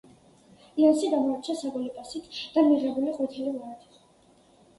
იანსე გამოირჩა საგოლე პასით და მიღებული ყვითელი ბარათით.